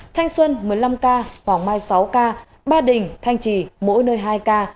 thanh xuân một mươi năm ca hoàng mai sáu ca ba đình thanh trì mỗi nơi hai ca